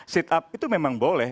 sit up itu memang boleh